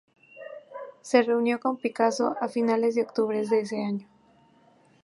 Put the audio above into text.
Se reunió con Picasso a finales de octubre de ese año.